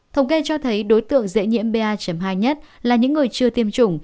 thống kê cho thấy đối tượng dễ nhiễm ba hai nhất là những người chưa tiêm chủng